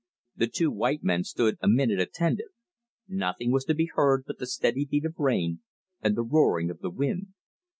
The two white men stood a minute attentive. Nothing was to be heard but the steady beat of rain and the roaring of the wind.